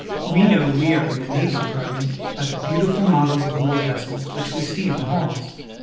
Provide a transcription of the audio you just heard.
We know we are in the Navy Department by the beautiful models of war vessels which we see in the halls.